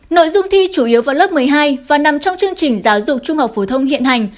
nội dung thi chủ yếu vào lớp một mươi hai và nằm trong chương trình giáo dục trung học phổ thông hiện hành